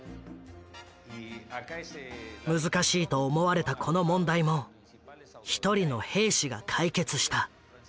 難しいと思われたこの問題も一人の兵士が解決した。